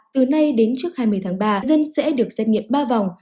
từ nay đến trước hai mươi tháng ba dân sẽ được xét nghiệm ba vòng